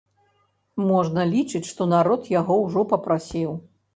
Можна лічыць, што народ яго ўжо папрасіў.